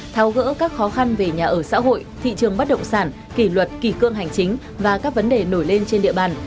thao gỡ các khó khăn về nhà ở xã hội thị trường bất động sản kỷ luật kỳ cương hành chính và các vấn đề nổi lên trên địa bàn